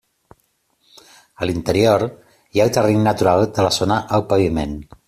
A l'interior hi ha el terreny natural de la zona al paviment.